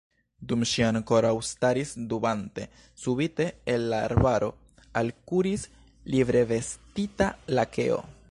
Dum ŝi ankoraŭ staris dubante, subite el la arbaro alkuris livrevestita lakeo